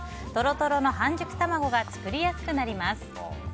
とろとろの半熟卵が作りやすくなります。